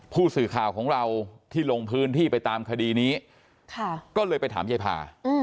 ผู้สื่อข่าวของเราที่ลงพื้นที่ไปตามคดีนี้ก็เลยไปถามยายพา